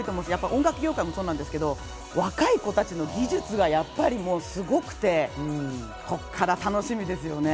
音楽業界もそうなんですけど、若い子たちの技術がやっぱり、もうすごくて、ここから楽しみですよね。